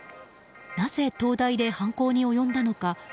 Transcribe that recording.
なぜ東大で犯行に及んだのか。